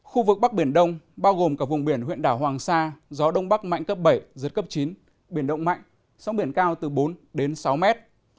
khu vực bắc biển đông bao gồm cả vùng biển huyện đảo hoàng sa gió đông bắc mạnh cấp bảy giật cấp chín biển động mạnh sóng biển cao từ bốn đến sáu mét